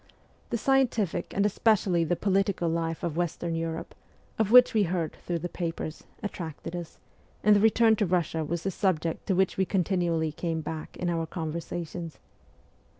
The scientific and especially the political life of Western Europe, of which we heard through the papers, attracted us, and the return to Russia was the subject to which we continually came back in our conversa tions.